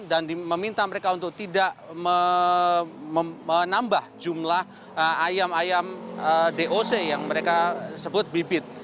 dan meminta mereka untuk tidak menambah jumlah ayam ayam doc yang mereka sebut bibit